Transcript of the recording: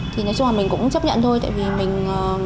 thì nói chung là mình cũng chấp nhận thôi tại vì mình